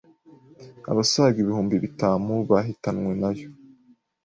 abasaga ibihumbi bitamu bahitanwe na yo,